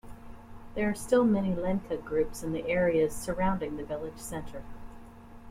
There are still many Lenca groups in the areas surrounding the village center.